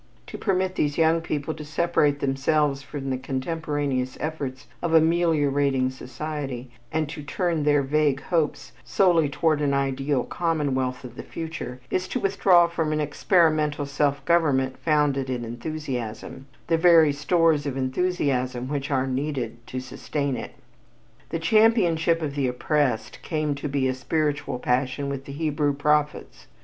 To permit these young people to separate themselves from the contemporaneous efforts of ameliorating society and to turn their vague hopes solely toward an ideal commonwealth of the future, is to withdraw from an experimental self government founded in enthusiasm, the very stores of enthusiasm which are needed to sustain it. The championship of the oppressed came to be a spiritual passion with the Hebrew prophets.